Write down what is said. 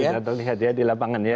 sudah terlihat ya di lapangan ya